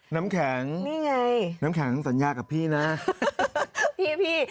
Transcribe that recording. น้ำแข็งนี่ไงน้ำแข็งสัญญากับพี่นะพี่พี่